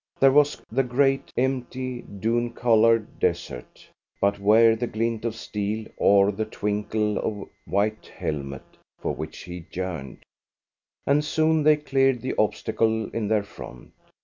There was the great, empty, dun coloured desert, but where the glint of steel or the twinkle of white helmet for which he yearned? And soon they cleared the obstacle in their front.